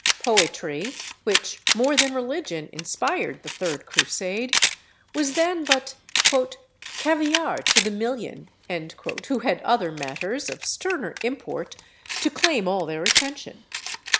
Poetry, which, more than religion, inspired the third Crusade, was then but "caviare to the million," who had other matters, of sterner import, to claim all their attention.